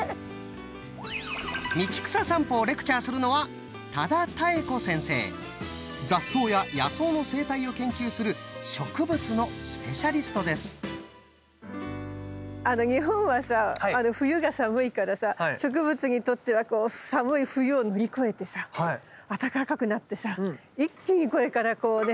道草さんぽをレクチャーするのは雑草や野草の生態を研究する日本はさ冬が寒いからさ植物にとっては寒い冬を乗り越えてさ暖かくなってさ一気にこれからこうね